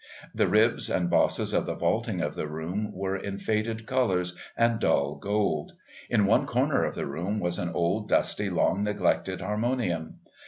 The ribs and bosses of the vaulting of the room were in faded colours and dull gold. In one corner of the room was an old, dusty, long neglected harmonium.